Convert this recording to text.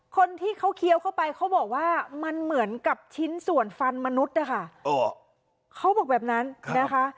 คนที่เขาเคี้ยวเข้าไปเขาบอกว่ามันเหมือนกับชิ้นส่วนฟันมนุษย์นะคะเขาบอกแบบนั้นนะคะ